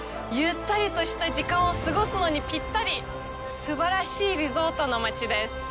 ゆったりとした時間を過ごすのにぴったりすばらしいリゾートの街です。